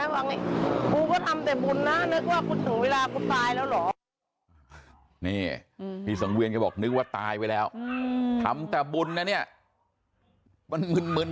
ก็นึกถึงเบิ้ลนึกถึงเทวดามึง